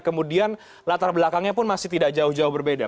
kemudian latar belakangnya pun masih tidak jauh jauh berbeda